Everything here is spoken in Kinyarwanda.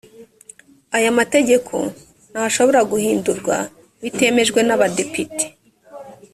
aya mategeko ntashobora guhindurwa bitemejwe n’abadepite